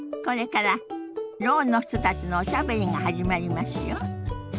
これからろうの人たちのおしゃべりが始まりますよ。